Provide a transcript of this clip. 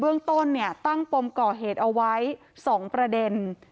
เรื่องต้นเนี่ยตั้งปมก่อเหตุเอาไว้๒ประเด็น